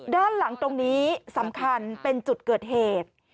ด้านหลังตรงนี้สำคัญเป็นจุดเกิดเหตุ